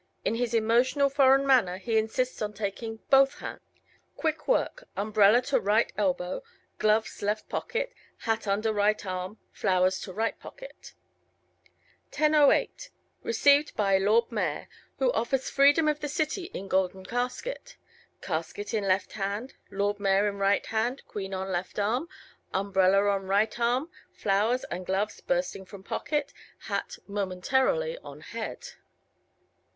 In his emotional foreign manner he insists on taking both hands. Quick work: Umbrella to right elbow, gloves left pocket, hat under right arm, flowers to right pocket. 10:08 Received by Lord Mayor, who offers freedom of the city in golden casket. Casket in left hand, Lord Mayor in right hand Queen on left arm, umbrella on right arm flowers and gloves bursting from pockets hat (momentarily) on head.